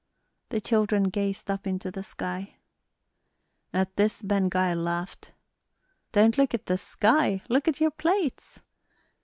The children gazed up into the sky. At this Ben Gile laughed. "Don't look at the sky, look at your plates."